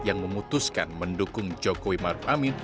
yang memutuskan mendukung jokowi maruf amin